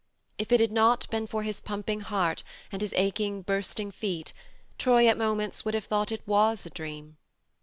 If it had not been for his pumping heart and his aching bursting feet, Troy at moments would have thought it was a dream.